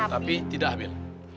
tapi tidak hamil